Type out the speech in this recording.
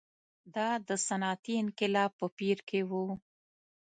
دا د صنعتي انقلاب په پېر کې و.